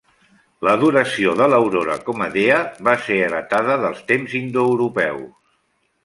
L'adoració de l'aurora com a dea va ser heretada dels temps indoeuropeus.